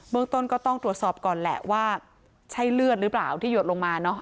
เมืองต้นก็ต้องตรวจสอบก่อนแหละว่าใช่เลือดหรือเปล่าที่หยดลงมาเนอะ